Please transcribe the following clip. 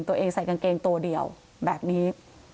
ตัวเองใส่กางเกงตัวเดียวแบบนี้